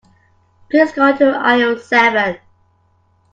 Please go to aisle seven.